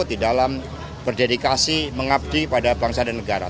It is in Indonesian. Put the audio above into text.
untuk memberikan pengabdi pada bangsa dan negara